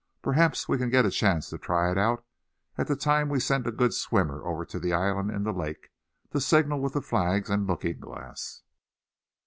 Perhaps we can get a chance to try it out at the time we send a good swimmer over to the island in the lake, to signal with the flags and looking glass."